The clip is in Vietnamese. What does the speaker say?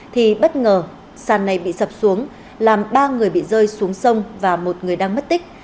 thì bất ngờ sàn này bị sập xuống làm ba người bị rơi xuống sông và một người đang mất tích